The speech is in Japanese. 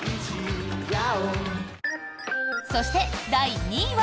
そして、第２位は。